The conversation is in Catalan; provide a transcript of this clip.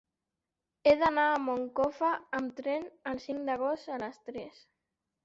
He d'anar a Moncofa amb tren el cinc d'agost a les tres.